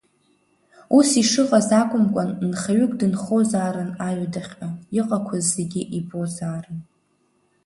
Ус ишыҟаз акәымкәан, нхаҩык дынхозаарын аҩадахьҟа, иҟақәаз зегьы ибозаарын.